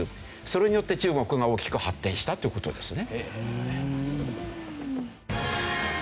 それによって中国が多きく発展したという事ですね。